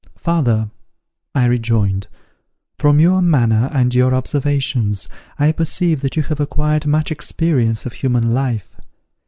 "Father," I rejoined, "from your manner and your observations, I perceive that you have acquired much experience of human life.